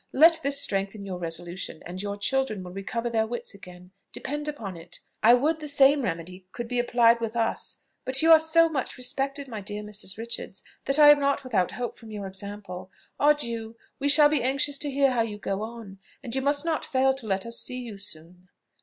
Let this strengthen your resolution; and your children will recover their wits again, depend upon it. I would the same remedy could be applied with us! but you are so much respected, my dear Mrs. Richards, that I am not without hope from your example. Adieu! We shall be anxious to hear how you go on; and you must not fail to let us see you soon."